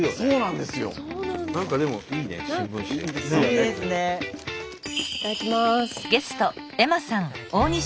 いただきます！